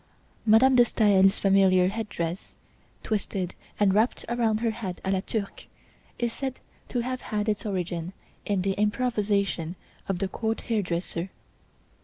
Mme. de Staël's familiar head dress, twisted and wrapped around her head à la Turque, is said to have had its origin in the improvisation of the court hairdresser.